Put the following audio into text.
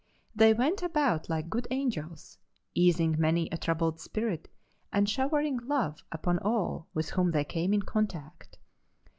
They went about like good angels, easing many a troubled spirit and showering love upon all with whom they came in contact.